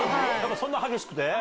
そんな激しくて？